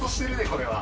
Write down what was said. これは。